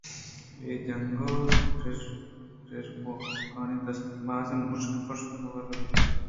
اے جنگ ءَ رِیژگوکانی دست ءَ بازیں مُشکے کُشگ ءُ وَرَگ بُوت